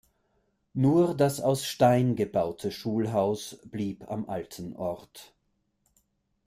Nur das aus Stein gebaute Schulhaus blieb am alten Ort.